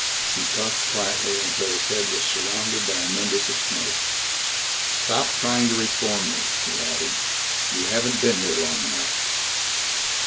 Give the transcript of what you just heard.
He puffed quietly until his head was surrounded by a nimbus of smoke. "Stop trying to reform me," he added. "You haven't been here long enough."